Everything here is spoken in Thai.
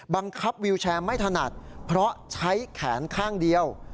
บังคับวิวแชร์ไม่ถนัดเพราะใช้แขนข้างเดียว